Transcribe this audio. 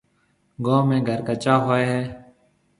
گوم ۾ گهر ڪَچا هوئي هيَ۔